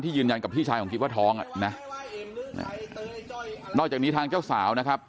ยืนยันกับพี่ชายของกิ๊บว่าท้องอ่ะนะนอกจากนี้ทางเจ้าสาวนะครับ